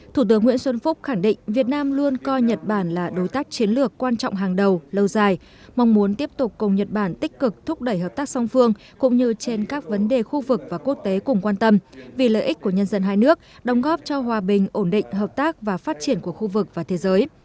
thủ tướng nguyễn xuân phúc khẳng định việt nam luôn coi nhật bản là đối tác chiến lược quan trọng hàng đầu lâu dài mong muốn tiếp tục cùng nhật bản tích cực thúc đẩy hợp tác song phương cũng như trên các vấn đề khu vực và quốc tế cùng quan tâm vì lợi ích của nhân dân hai nước đóng góp cho hòa bình ổn định hợp tác và phát triển của khu vực và thế giới